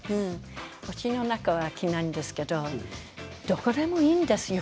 うちの中では着ませんけどどこでもいいんですよ。